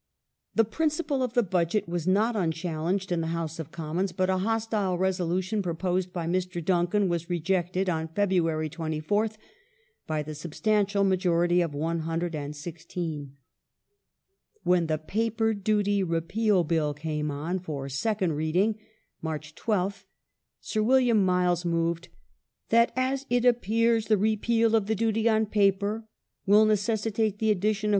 The principle of the Budget was not unchallenged in the House of Commons, but a hostile resolution proposed by Mr. Duncan was rejected on February 24th by the substantial majority of 116. When the Paper Duty Repeal Bill came on for second reading (March 12th) Sir William Miles moved :" That as it ap pears the repeal of the duty on paper will necessitate the addition of Id.